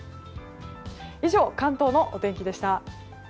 以上、関東の天気でした。